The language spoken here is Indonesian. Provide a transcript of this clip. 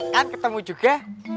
kan ketemu juga